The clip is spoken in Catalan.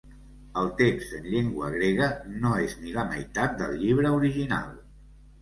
El text en llengua grega, no és ni la meitat del llibre original.